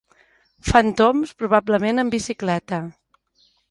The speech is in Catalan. Fan tombs, probablement en bicicleta.